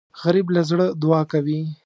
غریب له زړه دعا کوي